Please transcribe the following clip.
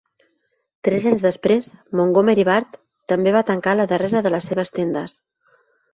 Tres anys després, Montgomery Ward també va tancar la darrera de les seves tendes.